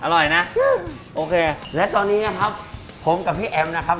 อร่อยนะโอเคและตอนนี้นะครับผมกับพี่แอ๋มนะครับ